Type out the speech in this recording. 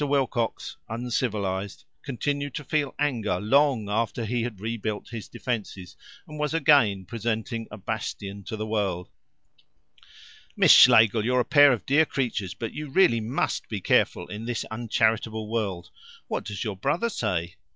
Wilcox, uncivilized, continued to feel anger long after he had rebuilt his defences, and was again presenting a bastion to the world. "Miss Schlegel, you're a pair of dear creatures, but you really MUST be careful in this uncharitable world. What does your brother say?"